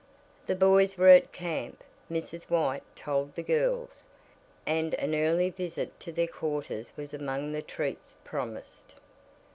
The boys were at camp, Mrs. White told the girls, and an early visit to their quarters was among the treats promised.